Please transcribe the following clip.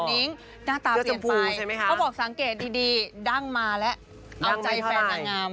คุณนิ้งหน้าตาเปลี่ยนไปเค้าบอกสังเกตดีดั่งมาและเอาใจแฟนหน้างามหน่อยดั่งมาเท่าไหร่